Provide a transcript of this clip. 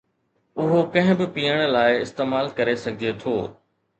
اهو ڪنهن به پيئڻ لاء استعمال ڪري سگهجي ٿو.